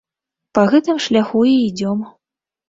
Па гэтым шляху і ідзём.